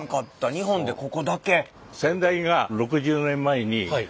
日本でここだけ？